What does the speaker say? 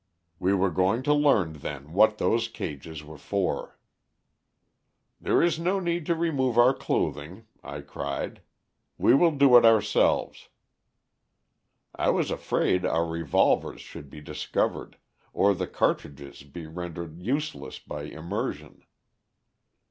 "We were going to learn then what those cages were for. "There is no need to remove our clothing,' I cried. 'We will do it ourselves!' "I was afraid our revolvers should be discovered, or the cartridges be rendered useless by immersion.